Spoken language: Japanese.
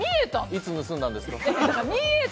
いつ盗んだんですか。